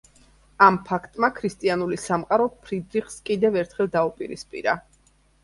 ამ ფაქტმა ქრისტიანული სამყარო ფრიდრიხს კიდევ ერთხელ დაუპირისპირა.